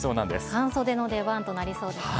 半袖の出番となりそうですね。